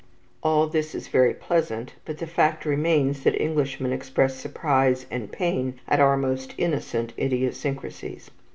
All this is very pleasant, but the fact remains that Englishmen express surprise and pain at our most innocent idiosyncrasies.